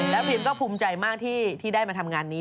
แล้วพิมก็ภูมิใจมากที่ได้มาทำงานนี้